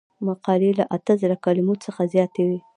مقالې له اته زره کلمو څخه زیاتې وي.